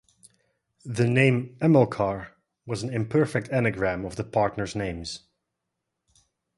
The name "Amilcar" was an imperfect anagram of the partners' names.